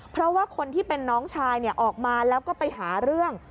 เพราะว่าคนที่เป็นน้องชายออกมาแล้วก็ไปหาเรื่อง